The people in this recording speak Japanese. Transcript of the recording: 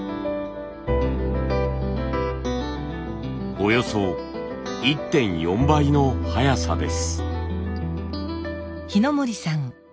およそ１．４倍の速さです。